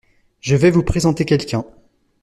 Je vais vous présenter quelqu’un.